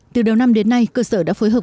từ đầu năm đến nay cơ sở đã phối hợp